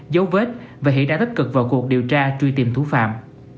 giấu vết và hãy đả tích cực vào cuộc điều tra truy tìm thú phạm